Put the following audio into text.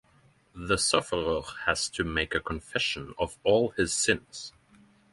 The sufferer has to make a confession of all his sins.